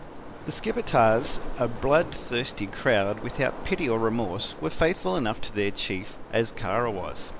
"The Skipetars, a blood thirsty crowd without pity or remorse, were faithful enough to their chief, as Kara was.